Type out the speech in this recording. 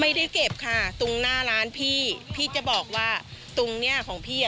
ไม่ได้เก็บค่ะตรงหน้าร้านพี่พี่จะบอกว่าตรงเนี้ยของพี่อ่ะ